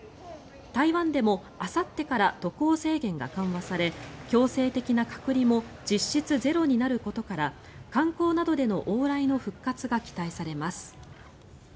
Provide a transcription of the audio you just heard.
台湾でもあさってから渡航制限が緩和され強制的な隔離も実質ゼロになることから観光などでの往来の復活が期待されます。